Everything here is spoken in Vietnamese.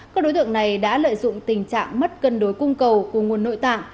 các đối tượng này đã lợi dụng tình trạng mất cân đối cung cầu của nguồn nội tạng